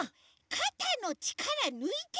かたのちからぬいて。